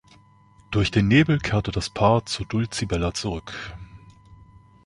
Durch den Nebel kehrt das Paar zur "Dulcibella" zurück.